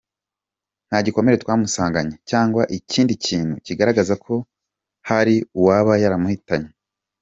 Nta gikomere twamusanganye cyangwa ikindi kintu kigaragaraza ko hari uwaba yamuhitanye.